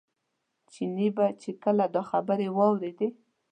چیني به چې کله دا خبرې واورېدې.